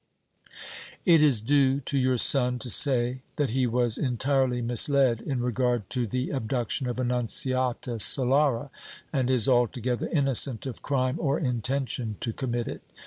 It is due to your son to say that he was entirely misled in regard to the abduction of Annunziata Solara, and is altogether innocent of crime or intention to commit it.